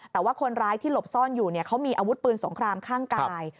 แต่ว่าคนร้ายที่หลบซ่อนอยู่เขามีอาวุธปืนสงครามข้างกาย